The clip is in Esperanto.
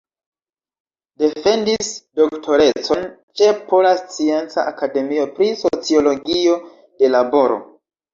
Defendis doktorecon ĉe Pola Scienca Akademio pri sociologio de laboro.